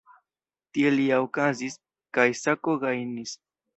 Tiel ja okazis, kaj Sako gajnis.